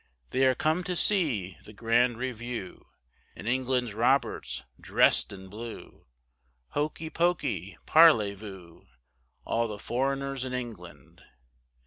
They are come to see the grand review, And England's Roberts', dress'd in blue, Hokey pokey parleyvous, All the foreigners in England.